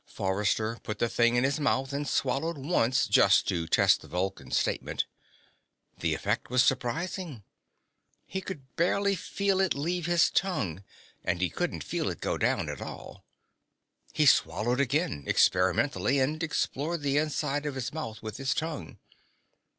Forrester put the thing in his mouth and swallowed once, just to test Vulcan's statement. The effect was surprising. He could barely feel it leave his tongue, and he couldn't feel it go down at all. He swallowed again, experimentally, and explored the inside of his mouth with his tongue.